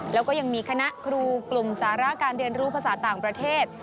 แล้วก็ยังมีคณะครูกลุ่มสาระการเรียนรู้ภาษาต่างประเทศ